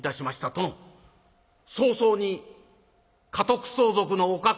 殿早々に家督相続のお覚悟を」。